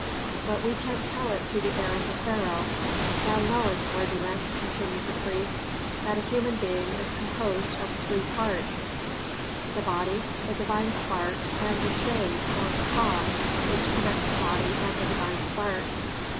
"But we can tell it to the heir of the pharaoh. Thou knowest, worthiness," continued the priest, "that a human being is composed of three parts: the body, the divine spark, and the shade, or Ka, which connects the body and the divine spark.